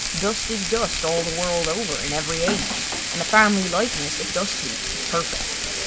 Dust is dust all the world over, in every age, and the family likeness of dust heaps is perfect.